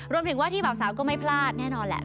รวมถึงว่าที่เบาสาวก็ไม่พลาดแน่นอนแหละ